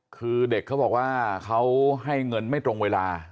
คือเด็กเขาบอกว่าเขาให้เงินไม่ตรงเวลา